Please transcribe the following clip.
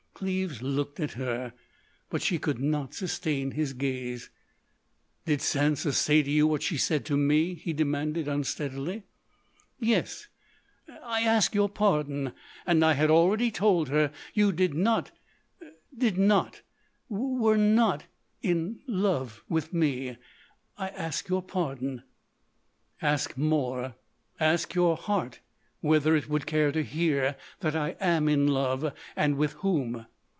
Cleves looked at her, but she could not sustain his gaze. "Did Sansa say to you what she said to me?" he demanded unsteadily. "Yes.... I ask your pardon.... And I had already told her you did not—did not—were not—in—love—with me.... I ask your pardon." "Ask more.... Ask your heart whether it would care to hear that I am in love. And with whom.